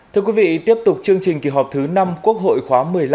thưa quý vị tiếp tục chương trình kỳ họp thứ năm quốc hội khóa một mươi năm